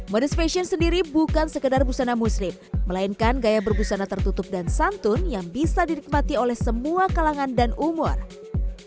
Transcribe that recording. modus fashion sendiri bukan sekedar busana muslim melainkan gaya berbusana tertutup dan santun yang bisa dinikmati oleh muslim yang berusaha untuk mencapai kemampuan di toko di toko di sini